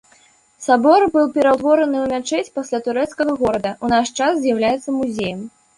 Сабор быў пераўтвораны ў мячэць пасля турэцкага горада, у наш час з'яўляецца музеем.